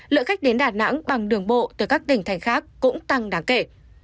lượng khách đến đà nẵng bằng đường bộ từ các tỉnh thành khác cũng tăng đáng kể